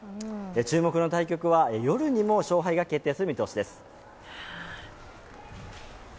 注目の対局は夜にも勝敗が決定する見通しです。